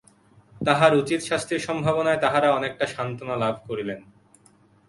তাহার উচিত শাস্তির সম্ভাবনায় তাঁহারা অনেকটা সান্ত্বনা লাভ করিলেন।